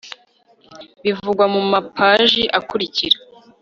bivugwa mu mapaji akurikira